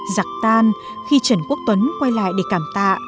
giặc tan khi trần quốc tuấn quay lại để cảm tạ